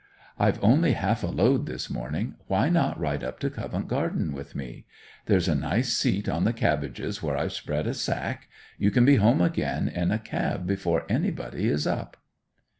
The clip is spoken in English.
I've only half a load this morning. Why not ride up to Covent Garden with me? There's a nice seat on the cabbages, where I've spread a sack. You can be home again in a cab before anybody is up.